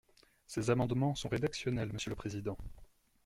Ces amendements sont rédactionnels, monsieur le président.